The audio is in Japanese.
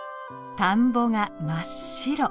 田んぼが真っ白。